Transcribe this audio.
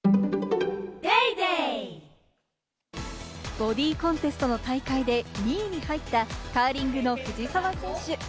ボディコンテストの大会で２位に入ったカーリングの藤澤選手。